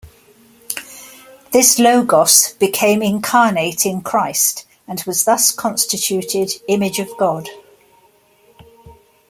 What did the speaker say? This Logos became incarnate in Christ and was thus constituted Image of God.